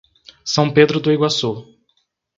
São Pedro do Iguaçu